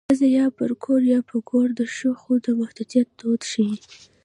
ښځه یا پر کور یا په ګور د ښځو د محدودیت دود ښيي